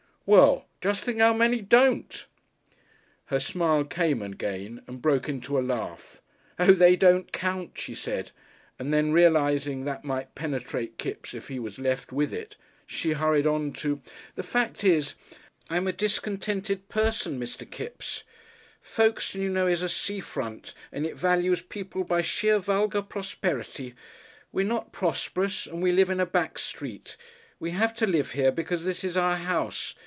"Well, just think how many don't!" Her smile came again, and broke into a laugh. "Oh, they don't count," she said, and then, realising that might penetrate Kipps if he was left with it, she hurried on to, "The fact is, I'm a discontented person, Mr. Kipps. Folkestone, you know, is a Sea Front, and it values people by sheer vulgar prosperity. We're not prosperous, and we live in a back street. We have to live here because this is our house.